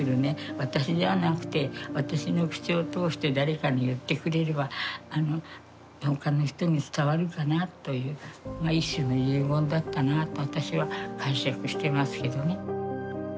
私じゃなくて私の口を通して誰かに言ってくれれば他の人に伝わるかなという一種の遺言だったなと私は解釈してますけどね。